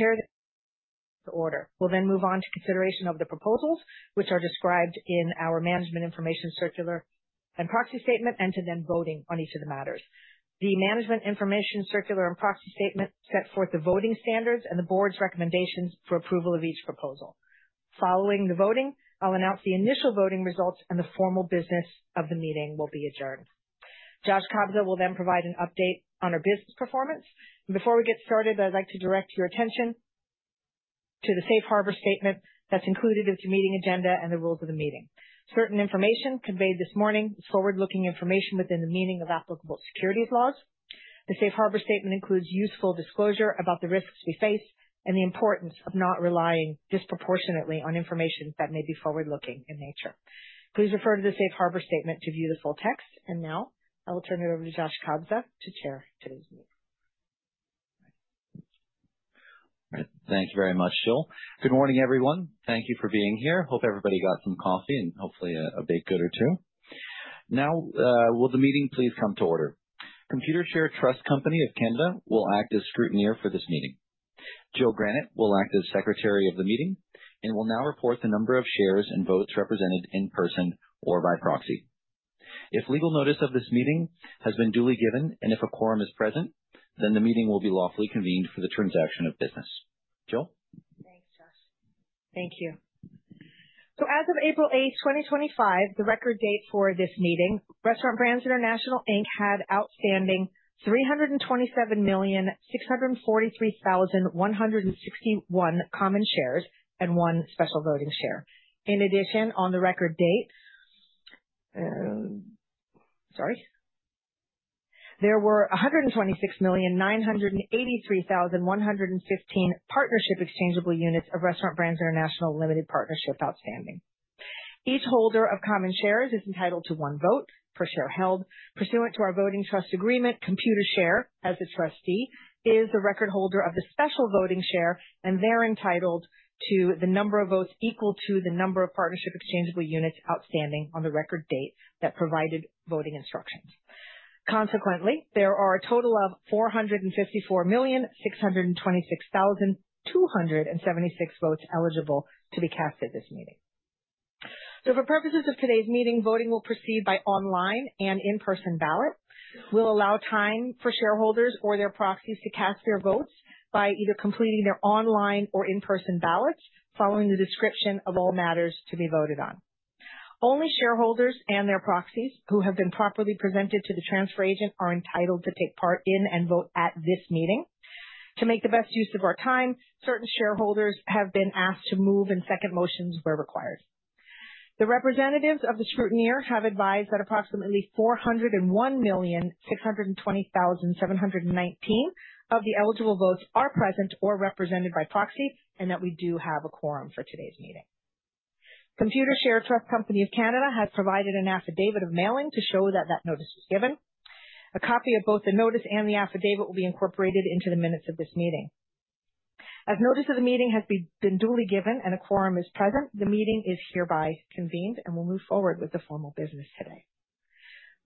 Call to order. We'll then move on to consideration of the proposals, which are described in our Management Information Circular and Proxy Statement, and to then voting on each of the matters. The Management Information Circular and Proxy Statement set forth the voting standards and the board's recommendations for approval of each proposal. Following the voting, I'll announce the initial voting results, and the formal business of the meeting will be adjourned. Joshua Kobza will then provide an update on our business performance, and before we get started, I'd like to direct your attention to the safe harbor statement that's included in the meeting agenda and the rules of the meeting. Certain information conveyed this morning is forward-looking information within the meaning of applicable securities laws. The safe harbor statement includes useful disclosure about the risks we face and the importance of not relying disproportionately on information that may be forward-looking in nature. Please refer to the safe harbor statement to view the full text. And now I will turn it over to Josh Kobza to chair today's meeting. Thank you very much, Jill. Good morning, everyone. Thank you for being here. Hope everybody got some coffee and hopefully a baked good or two. Now, will the meeting please come to order? Computershare Trust Company of Canada will act as scrutineer for this meeting. Jill Granat will act as secretary of the meeting and will now report the number of shares and votes represented in person or by proxy. If legal notice of this meeting has been duly given and if a quorum is present, then the meeting will be lawfully convened for the transaction of business. Jill? Thanks, Josh. Thank you. So as of April 8th, 2025, the record date for this meeting, Restaurant Brands International Inc. had outstanding 327,643,161 common shares and one special voting share. In addition, on the record date, sorry, there were 126,983,115 partnership exchangeable units of Restaurant Brands International Limited Partnership outstanding. Each holder of common shares is entitled to one vote per share held pursuant to our voting trust agreement. Computershare, as the trustee, is the record holder of the special voting share and they're entitled to the number of votes equal to the number of partnership exchangeable units outstanding on the record date that provided voting instructions. Consequently, there are a total of 454,626,276 votes eligible to be cast at this meeting. So for purposes of today's meeting, voting will proceed by online and in-person ballot. We'll allow time for shareholders or their proxies to cast their votes by either completing their online or in-person ballots following the description of all matters to be voted on. Only shareholders and their proxies who have been properly presented to the transfer agent are entitled to take part in and vote at this meeting. To make the best use of our time, certain shareholders have been asked to move and second motions were required. The representatives of the scrutineer have advised that approximately 401,620,719 of the eligible votes are present or represented by proxy and that we do have a quorum for today's meeting. Computershare Trust Company of Canada has provided an affidavit of mailing to show that that notice was given. A copy of both the notice and the affidavit will be incorporated into the minutes of this meeting. As notice of the meeting has been duly given and a quorum is present, the meeting is hereby convened and we'll move forward with the formal business today.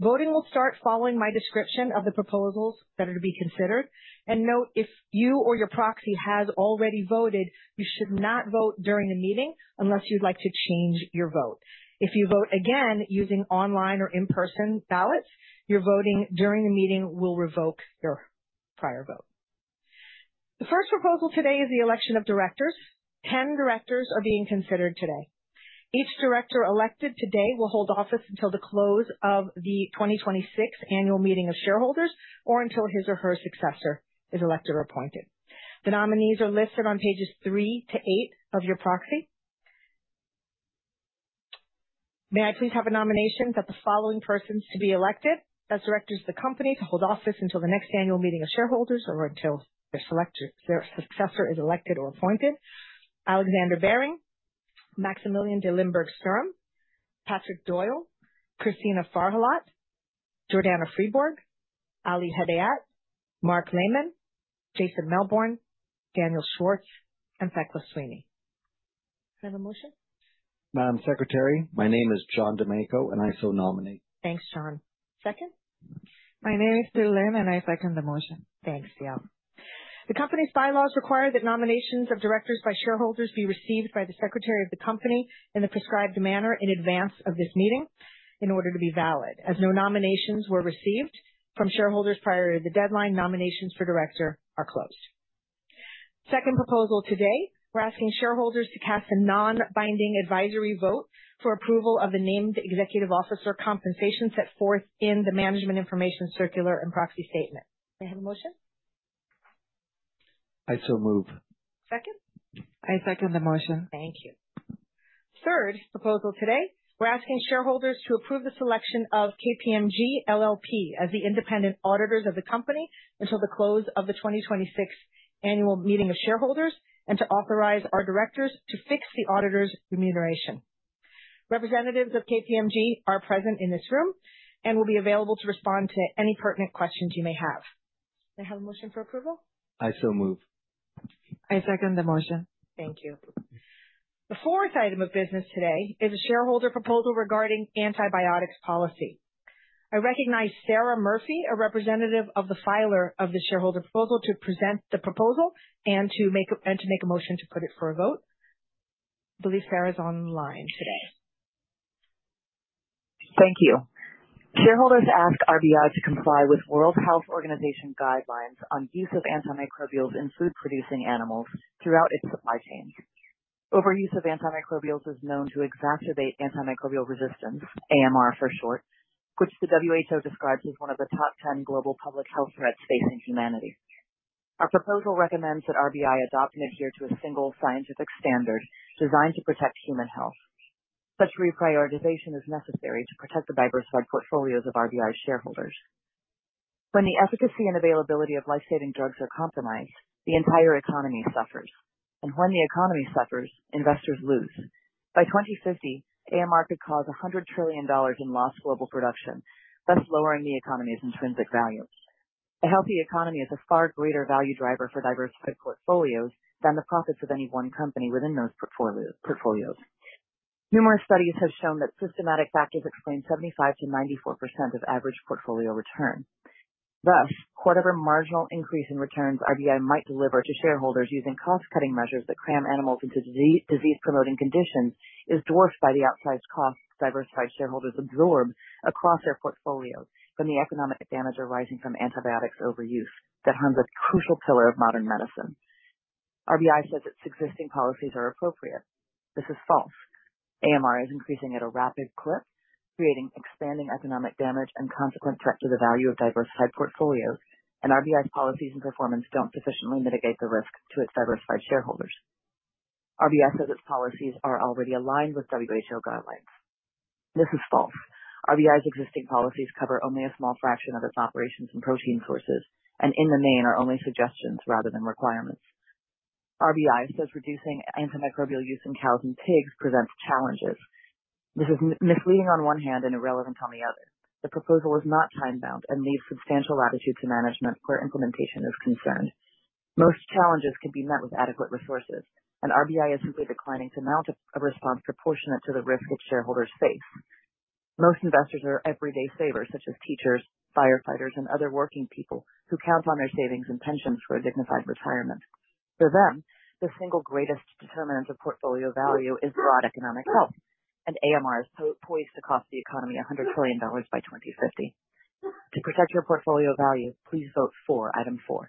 Voting will start following my description of the proposals that are to be considered, and note, if you or your proxy has already voted, you should not vote during the meeting unless you'd like to change your vote. If you vote again using online or in-person ballots, your voting during the meeting will revoke your prior vote. The first proposal today is the election of directors. 10 directors are being considered today. Each director elected today will hold office until the close of the 2026 Annual Meeting of shareholders or until his or her successor is elected or appointed. The nominees are listed on pages three to eight of your proxy. May I please have a nomination that the following persons to be elected as directors of the company to hold office until the next annual meeting of shareholders or until their successor is elected or appointed: Alexandre Behring, Maximilien de Limburg Stirum, Patrick Doyle, Cristina Farjallat, Jordana Fribourg, Ali Hedayat, Marc Lemann, Jason Melbourne, Daniel Schwartz, and Thecla Sweeney. Can I have a motion? Madam Secretary, my name is John Domenico and I so nominate. Thanks, John. Second? My name is Teal Linde and I second the motion. Thanks, Teal. The company's bylaws require that nominations of directors by shareholders be received by the secretary of the company in the prescribed manner in advance of this meeting in order to be valid. As no nominations were received from shareholders prior to the deadline, nominations for director are closed. Second proposal today, we're asking shareholders to cast a non-binding advisory vote for approval of the named executive officer compensation set forth in the Management Information Circular and Proxy Statement. May I have a motion? I so move. Second? I second the motion. Thank you. Third proposal today, we're asking shareholders to approve the selection of KPMG LLP as the independent auditors of the company until the close of the 2026 annual meeting of shareholders and to authorize our directors to fix the auditor's remuneration. Representatives of KPMG are present in this room and will be available to respond to any pertinent questions you may have. May I have a motion for approval? I so move. I second the motion. Thank you. The fourth item of business today is a shareholder proposal regarding antibiotics policy. I recognize Sarah Murphy, a representative of the filer of the shareholder proposal, to present the proposal and to make a motion to put it for a vote. I believe Sarah is online today. Thank you. Shareholders ask RBI to comply with World Health Organization guidelines on use of antimicrobials in food-producing animals throughout its supply chains. Overuse of antimicrobials is known to exacerbate antimicrobial resistance, AMR for short, which the WHO describes as one of the top 10 global public health threats facing humanity. Our proposal recommends that RBI adopt and adhere to a single scientific standard designed to protect human health. Such reprioritization is necessary to protect the diversified portfolios of RBI's shareholders. When the efficacy and availability of life-saving drugs are compromised, the entire economy suffers, and when the economy suffers, investors lose. By 2050, AMR could cause $100 trillion in lost global production, thus lowering the economy's intrinsic values. A healthy economy is a far greater value driver for diversified portfolios than the profits of any one company within those portfolios. Numerous studies have shown that systematic factors explain 75%-94% of average portfolio return. Thus, whatever marginal increase in returns RBI might deliver to shareholders using cost-cutting measures that cram animals into disease-promoting conditions is dwarfed by the outsized costs diversified shareholders absorb across their portfolios from the economic damage arising from antibiotics overuse that harms a crucial pillar of modern medicine. RBI says its existing policies are appropriate. This is false. AMR is increasing at a rapid clip, creating expanding economic damage and consequent threat to the value of diversified portfolios, and RBI's policies and performance don't sufficiently mitigate the risk to its diversified shareholders. RBI says its policies are already aligned with WHO guidelines. This is false. RBI's existing policies cover only a small fraction of its operations and protein sources, and in the main are only suggestions rather than requirements. RBI says reducing antimicrobial use in cows and pigs presents challenges. This is misleading on one hand and irrelevant on the other. The proposal is not time-bound and leaves substantial latitude to management where implementation is concerned. Most challenges can be met with adequate resources, and RBI is simply declining to mount a response proportionate to the risk its shareholders face. Most investors are everyday savers, such as teachers, firefighters, and other working people who count on their savings and pensions for a dignified retirement. For them, the single greatest determinant of portfolio value is broad economic health, and AMR is poised to cost the economy $100 trillion by 2050. To protect your portfolio value, please vote for item four.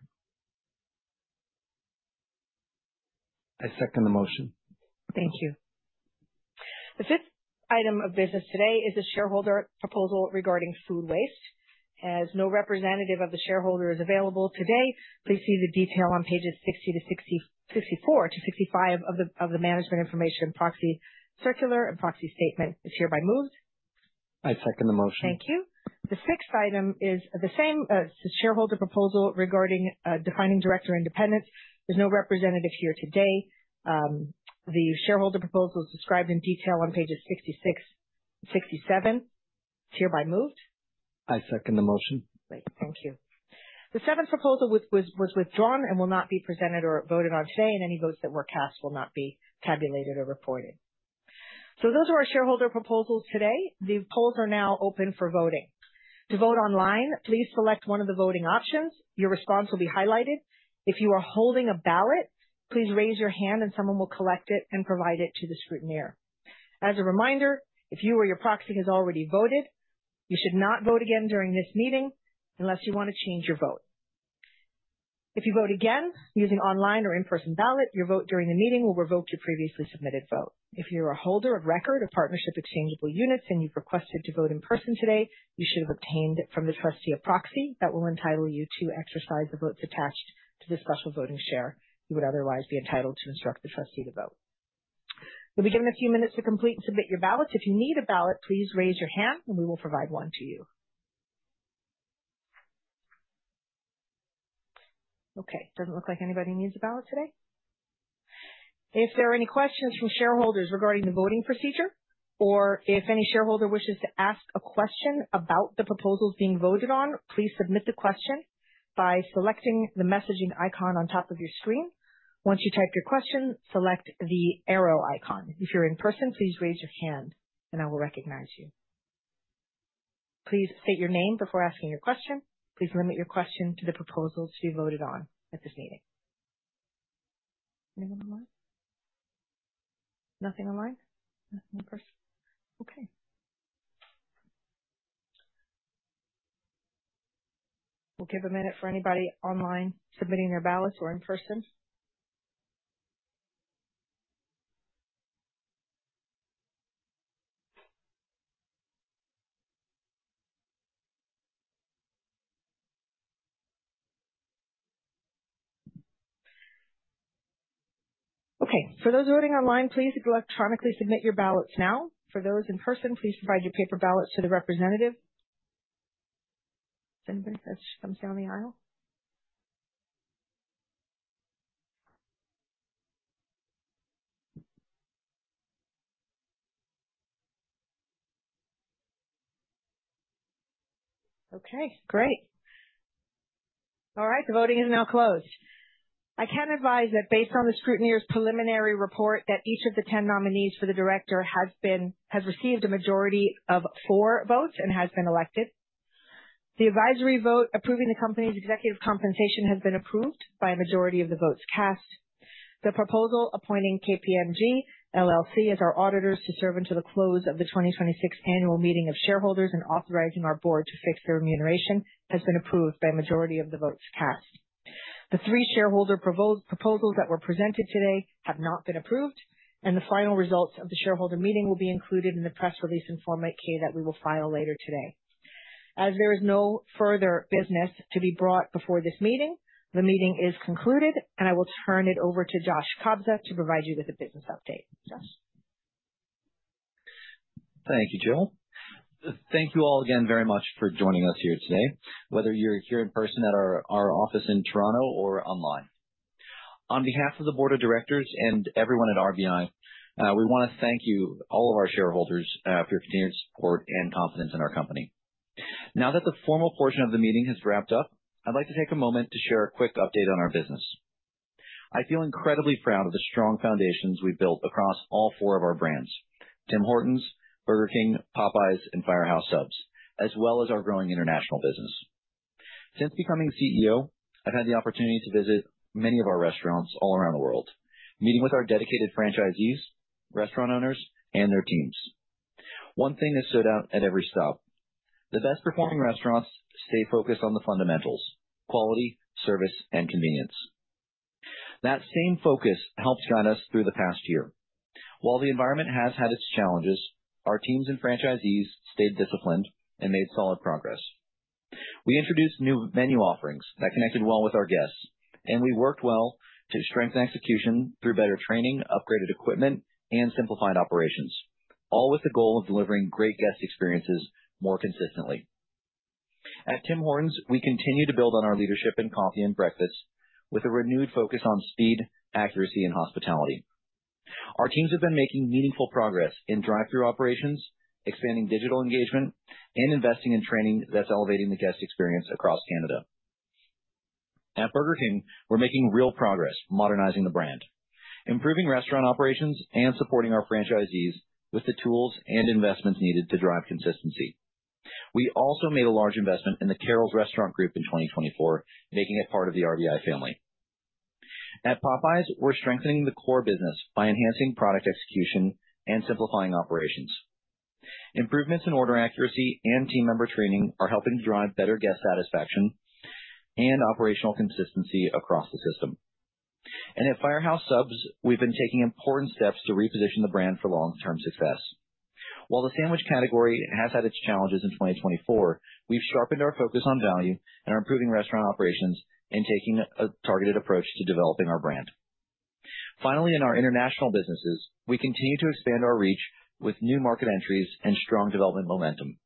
I second the motion. Thank you. The fifth item of business today is a shareholder proposal regarding food waste. As no representative of the shareholder is available today, please see the detail on pages 60 to 65 of the Management Information Circular and Proxy Statement. It's hereby moved. I second the motion. Thank you. The sixth item is the same shareholder proposal regarding defining director independence. There's no representative here today. The shareholder proposal is described in detail on pages 66 and 67. It's hereby moved. I second the motion. Great. Thank you. The seventh proposal was withdrawn and will not be presented or voted on today, and any votes that were cast will not be tabulated or reported. So those are our shareholder proposals today. The polls are now open for voting. To vote online, please select one of the voting options. Your response will be highlighted. If you are holding a ballot, please raise your hand and someone will collect it and provide it to the scrutineer. As a reminder, if you or your proxy has already voted, you should not vote again during this meeting unless you want to change your vote. If you vote again using online or in-person ballot, your vote during the meeting will revoke your previously submitted vote. If you're a holder of record of partnership exchangeable units and you've requested to vote in person today, you should have obtained it from the trustee or proxy that will entitle you to exercise the votes attached to the special voting share. You would otherwise be entitled to instruct the trustee to vote. You'll be given a few minutes to complete and submit your ballots. If you need a ballot, please raise your hand and we will provide one to you. Okay. Doesn't look like anybody needs a ballot today. If there are any questions from shareholders regarding the voting procedure, or if any shareholder wishes to ask a question about the proposals being voted on, please submit the question by selecting the messaging icon on top of your screen. Once you type your question, select the arrow icon. If you're in person, please raise your hand and I will recognize you. Please state your name before asking your question. Please limit your question to the proposals to be voted on at this meeting. Anyone online? Nothing online? Nothing in person? Okay. We'll give a minute for anybody online submitting their ballots or in person. Okay. For those voting online, please electronically submit your ballots now. For those in person, please provide your paper ballots to the representative. Is there anybody that's come down the aisle? Okay. Great. All right. The voting is now closed. I can advise that based on the Scrutineer's preliminary report, that each of the 10 nominees for the director has received a majority of four votes and has been elected. The advisory vote approving the company's executive compensation has been approved by a majority of the votes cast. The proposal appointing KPMG LLP as our auditors to serve until the close of the 2026 annual meeting of shareholders and authorizing our board to fix their remuneration has been approved by a majority of the votes cast. The three shareholder proposals that were presented today have not been approved, and the final results of the shareholder meeting will be included in the press release in Form 8-K that we will file later today. As there is no further business to be brought before this meeting, the meeting is concluded, and I will turn it over to Josh Kobza to provide you with a business update. Josh? Thank you, Jill. Thank you all again very much for joining us here today, whether you're here in person at our office in Toronto or online. On behalf of the board of directors and everyone at RBI, we want to thank you, all of our shareholders, for your continued support and confidence in our company. Now that the formal portion of the meeting has wrapped up, I'd like to take a moment to share a quick update on our business. I feel incredibly proud of the strong foundations we've built across all four of our brands: Tim Hortons, Burger King, Popeyes, and Firehouse Subs, as well as our growing international business. Since becoming CEO, I've had the opportunity to visit many of our restaurants all around the world, meeting with our dedicated franchisees, restaurant owners, and their teams. One thing has stood out at every stop: the best-performing restaurants stay focused on the fundamentals: quality, service, and convenience. That same focus helped guide us through the past year. While the environment has had its challenges, our teams and franchisees stayed disciplined and made solid progress. We introduced new menu offerings that connected well with our guests, and we worked well to strengthen execution through better training, upgraded equipment, and simplified operations, all with the goal of delivering great guest experiences more consistently. At Tim Hortons, we continue to build on our leadership in coffee and breakfast with a renewed focus on speed, accuracy, and hospitality. Our teams have been making meaningful progress in drive-through operations, expanding digital engagement, and investing in training that's elevating the guest experience across Canada. At Burger King, we're making real progress modernizing the brand, improving restaurant operations, and supporting our franchisees with the tools and investments needed to drive consistency. We also made a large investment in the Carrols Restaurant Group in 2024, making it part of the RBI family. At Popeyes, we're strengthening the core business by enhancing product execution and simplifying operations. Improvements in order accuracy and team member training are helping to drive better guest satisfaction and operational consistency across the system. At Firehouse Subs, we've been taking important steps to reposition the brand for long-term success. While the sandwich category has had its challenges in 2024, we've sharpened our focus on value and are improving restaurant operations and taking a targeted approach to developing our brand. Finally, in our international businesses, we continue to expand our reach with new market entries and strong development momentum.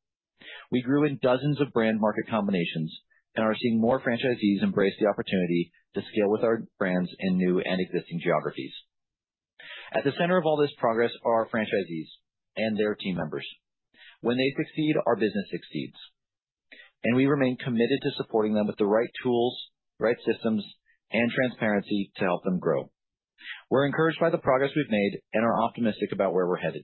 We grew in dozens of brand-market combinations and are seeing more franchisees embrace the opportunity to scale with our brands in new and existing geographies. At the center of all this progress are our franchisees and their team members. When they succeed, our business succeeds. And we remain committed to supporting them with the right tools, right systems, and transparency to help them grow. We're encouraged by the progress we've made and are optimistic about where we're headed.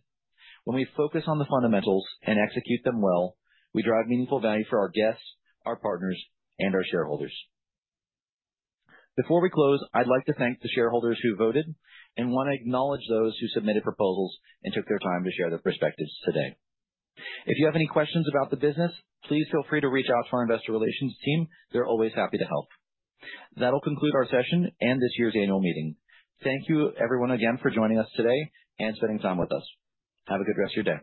When we focus on the fundamentals and execute them well, we drive meaningful value for our guests, our partners, and our shareholders. Before we close, I'd like to thank the shareholders who voted and want to acknowledge those who submitted proposals and took their time to share their perspectives today. If you have any questions about the business, please feel free to reach out to our investor relations team. They're always happy to help. That'll conclude our session and this year's Annual Meeting. Thank you, everyone, again for joining us today and spending time with us. Have a good rest of your day.